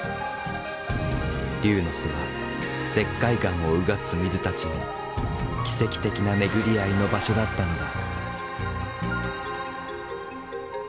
龍の巣は石灰岩を穿つ水たちの奇跡的な巡り会いの場所だったのだ。